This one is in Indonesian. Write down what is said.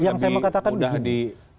yang saya mau katakan begini